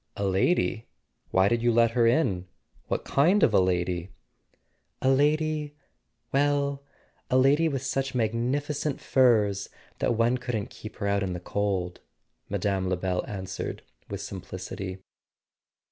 "A lady? Why did you let her in? What kind of a lady?" A SON AT THE FRONT "A lady—well, a lady with such magnificent furs that one couldn't keep her out in the cold," Mme. Lebel answered with simplicity.